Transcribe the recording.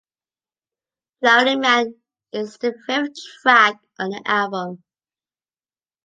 "Drowning Man" is the fifth track on the album.